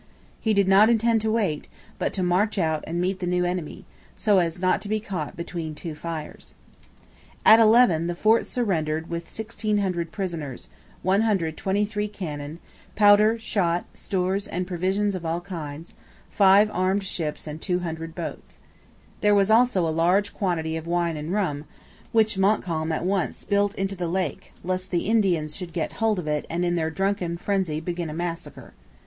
He did not intend to wait; but to march out and meet the new enemy, so as not to be caught between two fires. At eleven the fort surrendered with 1,600 prisoners, 123 cannon, powder, shot, stores and provisions of all kinds; 5 armed ships and 200 boats. There was also a large quantity of wine and rum, which Montcalm at once spilt into the lake, lest the Indians should get hold of it and in their drunken frenzy begin a massacre.